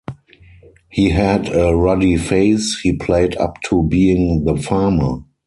He had a ruddy face, he played up to being the farmer.